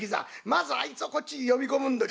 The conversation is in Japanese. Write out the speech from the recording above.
まずあいつをこっちへ呼び込むんだ。